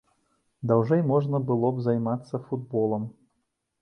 Даўжэй можна было б займацца футболам.